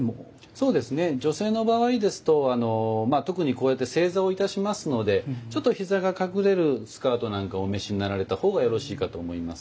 そうですね女性の場合ですと特にこうやって正座をいたしますのでちょっと膝が隠れるスカートなんかをお召しになられた方がよろしいかと思います。